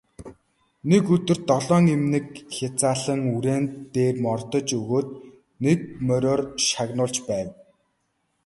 Нэг өдөр долоон эмнэг хязаалан үрээн дээр мордож өгөөд нэг мориор шагнуулж байв.